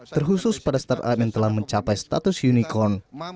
terkhusus pada startup yang telah mencapai status unicorn